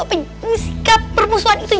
apa sikap permusuhan itu